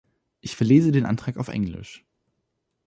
Ich verlese den Antrag auf Englisch.